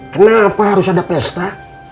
kenapa harus ada pesta